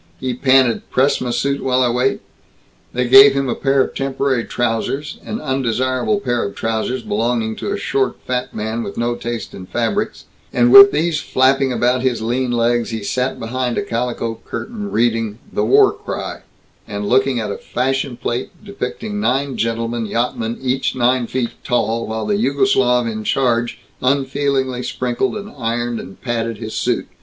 He panted "Press m' suit while I wait?" They gave him a pair of temporary trousers, an undesirable pair of trousers belonging to a short fat man with no taste in fabrics, and with these flapping about his lean legs, he sat behind a calico curtain, reading The War Cry and looking at a "fashion plate" depicting nine gentlemen yachtsmen each nine feet tall, while the Jugoslav in charge unfeelingly sprinkled and ironed and patted his suit.